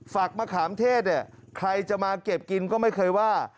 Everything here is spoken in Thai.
มะขามเทศเนี่ยใครจะมาเก็บกินก็ไม่เคยว่า